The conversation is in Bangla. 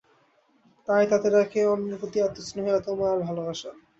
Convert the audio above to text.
তাই তাদের একের প্রতি অন্যের এত স্নেহ, এত মায়া আর ভালোবাসা।